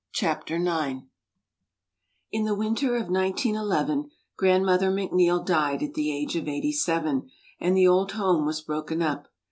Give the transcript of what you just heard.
•"' .,.„.,Google NINE I the winter of 1 9 1 1 , Grandmother Macneill died at the age of eighty seven, and the old home was broken up.